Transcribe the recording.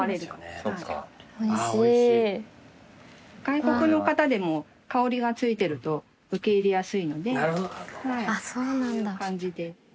外国の方でも香りが付いてると受け入れやすいのでこういう感じで。